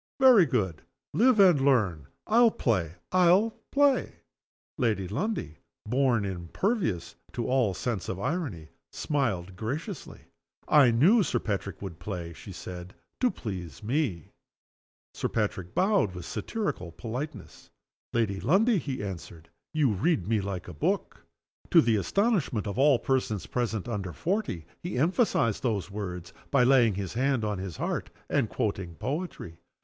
Very good. Live and learn. I'll play! I'll play!" Lady Lundie (born impervious to all sense of irony) smiled graciously. "I knew Sir Patrick would play," she said, "to please me." Sir Patrick bowed with satirical politeness. "Lady Lundie," he answered, "you read me like a book." To the astonishment of all persons present under forty he emphasized those words by laying his hand on his heart, and quoting poetry.